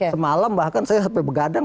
semalam bahkan saya sampai begadang